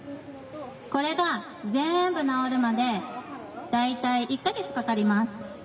これが全部治るまで大体１か月かかります。